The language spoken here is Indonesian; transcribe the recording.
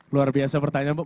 luar biasa pertanyaan